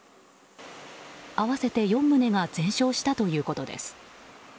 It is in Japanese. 合わせて４棟が全焼したということです。